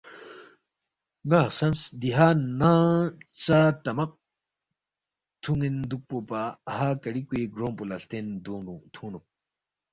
نا خسمس دِہا نانگ ژا تمق تھونین دوکپو پا اَہا کریکوے گرونگپو لا ہلتین تھونگنوک۔